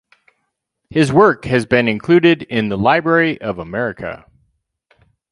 His work has been included in the Library of America.